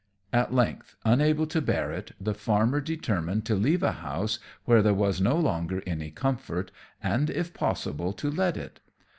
At length, unable to bear it, the farmer determined to leave a house where there was no longer any comfort, and, if possible, to let it.